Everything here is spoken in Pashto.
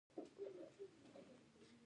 زما چای ډېر خوښیږي.